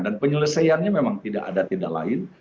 dan penyelesaiannya memang tidak ada tindak lain